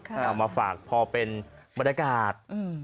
เอามาฝากพอเป็นบรรยากาศ